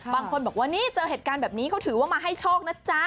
บางคนบอกว่านี่เจอเหตุการณ์แบบนี้เขาถือว่ามาให้โชคนะจ๊ะ